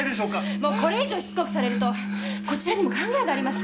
もうこれ以上しつこくされるとこちらにも考えがあります。